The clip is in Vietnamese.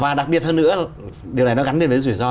và đặc biệt hơn nữa điều này nó gắn liền với rủi ro